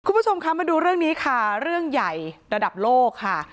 คุณผู้ชมคะมาดูเรื่องนี้ค่ะเรื่องใหญ่ระดับโลกค่ะ